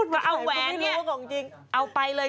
ว่าเอาแหวนนี่เอาไปเลย